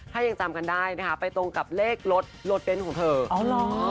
ถ้ายังจำกันได้นะคะไปตรงกับเลขรถรถเบ้นของเธออ๋อเหรอ